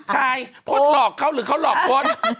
ใครพดหลอกเขาหรือเขาหลอกคน